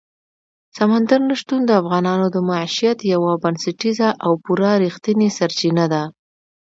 سمندر نه شتون د افغانانو د معیشت یوه بنسټیزه او پوره رښتینې سرچینه ده.